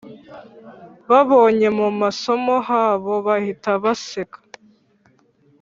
babonye mu masomo habo bahita baseka